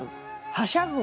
はしゃぐ